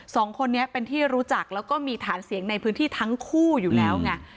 สองคนนี้เป็นที่รู้จักแล้วก็มีฐานเสียงในพื้นที่ทั้งคู่อยู่แล้วไง